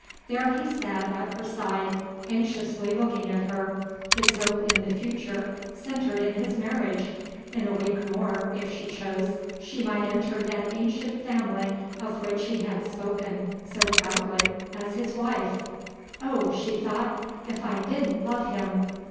There he sat at her side, anxiously looking at her his hope in the future centered in his marriage! In a week more, if she chose, she might enter that ancient family of which he had spoken so proudly, as his wife. "Oh!" she thought, "if I didn't love him!